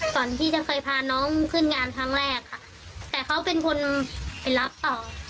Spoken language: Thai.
ก่อนที่จะเคยพาน้องขึ้นงานครั้งแรกค่ะแต่เขาเป็นคนไปรับต่อ